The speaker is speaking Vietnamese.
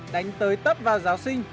đánh tới tớp vào giáo sinh